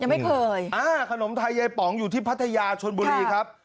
อ่าขนมไทยยายป๋องอยู่พัทยาชนบุรีครับ